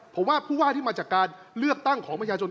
ผมว่าผู้ว่าที่มาจากการเลือกตั้งของประชาชน